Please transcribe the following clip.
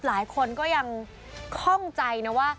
หลายคนก็ยังคล่องใจนะว่า